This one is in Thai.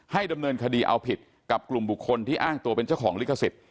ดำเนินคดีเอาผิดกับกลุ่มบุคคลที่อ้างตัวเป็นเจ้าของลิขสิทธิ